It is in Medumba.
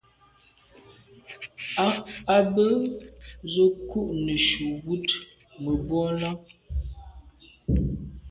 À be z’o kô neghù wut mebwô là.